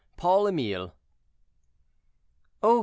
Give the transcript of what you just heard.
PAUL EMILE. "Oh!